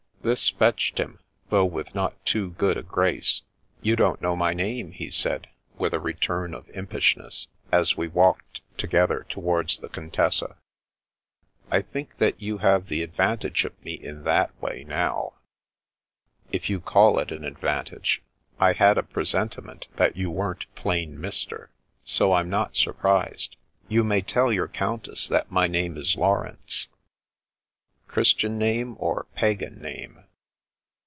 This fetched him, though with not too good a grace. " You don't know my name," he said, with a return of impishness, as we walked together to wards the Contessa. " I think that you have the advantage of me in that way, now." " If you call it an advantage. I had a presenti ment you weren't plain mister, so I'm not surprised. 1 82 The Princess Passes You may tell your Countess that my name is Laurence," " Christian name or * Pagan ' name?